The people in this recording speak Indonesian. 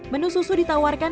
menu susu ditawarkan